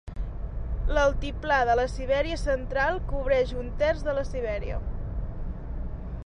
L'altiplà de la Siberia Central cobreix un terç de Sibèria.